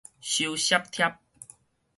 收塞疊